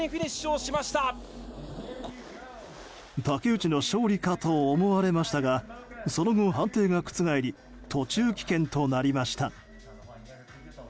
竹内の勝利かと思われましたがその後、判定が覆り途中棄権となりました。